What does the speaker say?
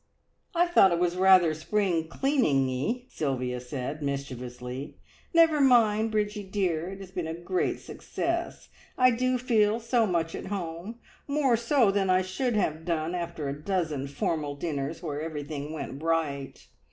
"I thought it was rather spring cleaningey," Sylvia said mischievously. "Never mind, Bridgie dear it has been a great success. I do feel so much at home more so than I should have done after a dozen formal dinners where everything went right.